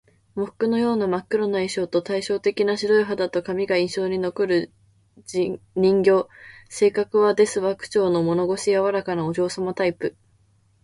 喪服のような真っ黒な衣装と、対照的な白い肌と髪が印象に残る人形。性格は「ですわ」口調の物腰柔らかなお嬢様タイプ